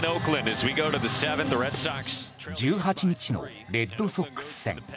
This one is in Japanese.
１８日のレッドソックス戦。